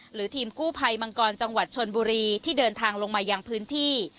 หรือทีมกู้ภัยมังกรจังหวัดชนบุรีที่เดินทางลงมายังพื้นที่